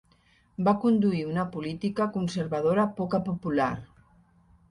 Va conduir una política conservadora poca popular.